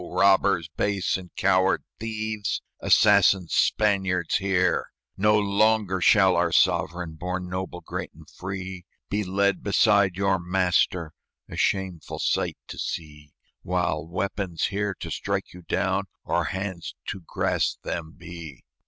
robbers base and coward thieves! Assassin Spaniards, hear! "No longer shall our sovereign, Born noble, great, and free, Be led beside your master, A shameful sight to see, While weapons here to strike you down Or hands to grasp them be."